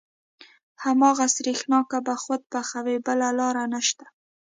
هماغه سرېښناکه به خود پخوې بله لاره نشته.